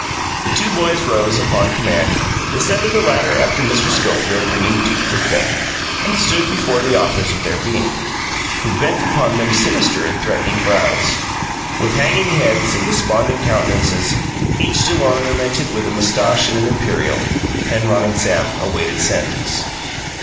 The two boys rose, upon command, descended the ladder after Mr. Schofield, bringing Duke with them, and stood before the authors of their being, who bent upon them sinister and threatening brows. With hanging heads and despondent countenances, each still ornamented with a moustache and an imperial, Penrod and Sam awaited sentence.